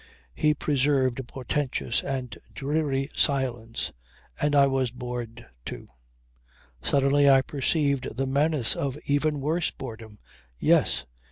He preserved a portentous and dreary silence. And I was bored too. Suddenly I perceived the menace of even worse boredom. Yes!